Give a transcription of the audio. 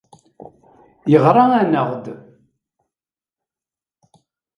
Yeɣra-aneɣ-d.